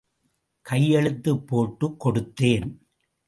கையெழுத்துப் போட்டுக் கொடுத்தேன்.